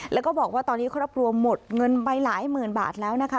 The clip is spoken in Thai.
แล้วก็บอกว่าตอนนี้ครอบครัวหมดเงินไปหลายหมื่นบาทแล้วนะคะ